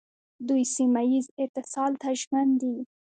دوی سیمه ییز اتصال ته ژمن دي.